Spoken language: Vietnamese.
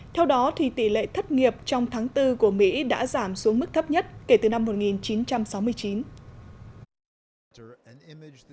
theo đó tỷ lệ thất nghiệp trong tháng bốn của mỹ đã giảm xuống mức thấp nhất kể từ năm một nghìn chín trăm sáu mươi chín